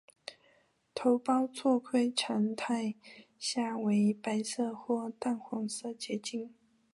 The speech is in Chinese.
头孢唑肟常态下为白色或淡黄色结晶。